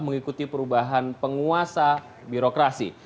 mengikuti perubahan penguasa birokrasi